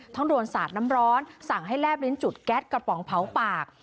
โดนสาดน้ำร้อนสั่งให้แลบลิ้นจุดแก๊สกระป๋องเผาปาก